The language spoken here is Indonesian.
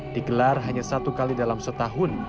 digelar hanya satu kali dalam setahun